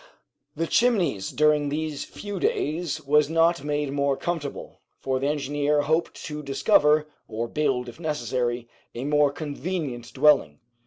The Chimneys during these few days was not made more comfortable, for the engineer hoped to discover, or build if necessary, a more convenient dwelling.